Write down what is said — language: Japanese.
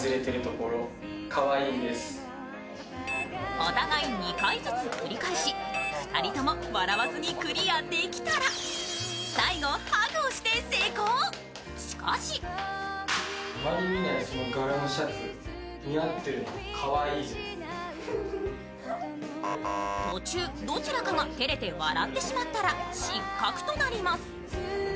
お互い２回ずつ繰り返し、２人とも笑わずにクリアできたら最後ハグをして成功、しかし途中、どちらかがてれて笑ってしまったら失格となります。